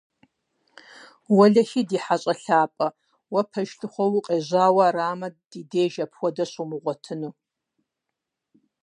Уэлэхьи, ди хьэщӀэ лъапӀэ, уэ пэж лъыхъуэ укъежьауэ арамэ, ди деж апхуэдэ щумыгъуэтыну.